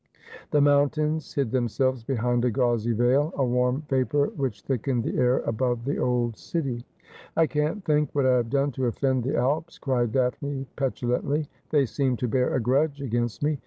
The mountains hid themselves behind a gauzy veil, a warm vapour which thickened the air above the old city. ' I can't think what I have done to ofEend the Alps,' cried Daphne petulantly. ' They seem to bear a grudge against me.